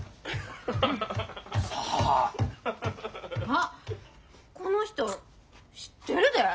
あっこの人知ってるで！